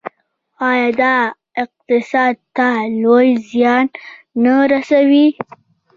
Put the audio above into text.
آیا دا اقتصاد ته لوی زیان نه رسوي؟